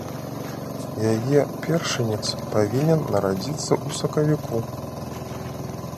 Яе першынец павінен нарадзіцца ў сакавіку.